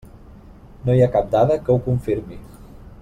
No hi ha cap dada que ho confirmi.